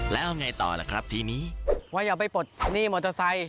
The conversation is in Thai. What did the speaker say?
แล้วเอาไงต่อล่ะครับทีนี้ว่าอย่าไปปลดหนี้มอเตอร์ไซค